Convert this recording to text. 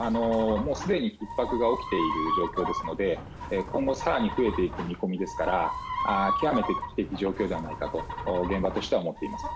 もうすでに、ひっ迫が起きている状況ですので今後更に増えていく見込みですから極めて危機的状況ではないかと現場としては思っています。